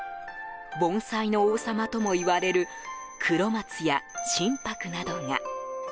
盆栽の王様ともいわれる黒松や真柏などが。